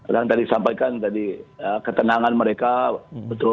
yang tadi disampaikan tadi ketenangan mereka betul